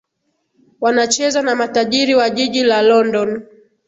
wanacheza na matajiri wa jiji la london